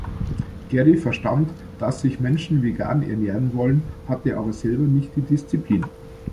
Garry verstand, dass sich Menschen vegan ernähren wollen, hatte aber selber nicht die Disziplin.